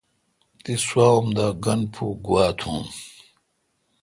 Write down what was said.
تی سوا اوم د گن پو گوا تھون؟